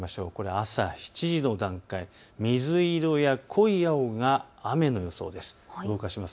朝７時の段階、水色や濃い青が雨の予想です。